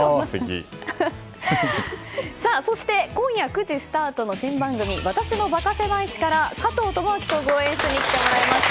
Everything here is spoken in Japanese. そして今夜９時スタートの新番組「私のバカせまい史」から加藤智章さんに来ていただきました。